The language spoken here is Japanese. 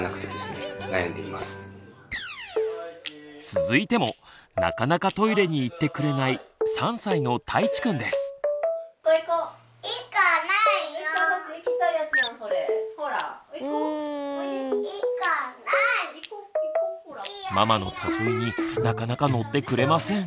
続いてもなかなかトイレに行ってくれないママの誘いになかなか乗ってくれません。